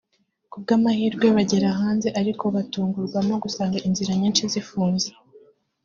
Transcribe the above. ku bw’amahirwe bagera hanze ariko batungurwa no gusanga inzira nyinshi zifunze